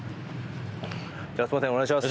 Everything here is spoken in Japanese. じゃあすみませんお願いします。